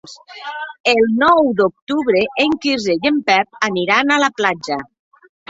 El nou d'octubre en Quirze i en Pep aniran a la platja.